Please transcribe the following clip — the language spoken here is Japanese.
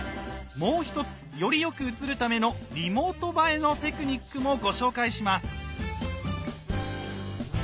もう一つよりよく映るための「リモート映え」のテクニックもご紹介します。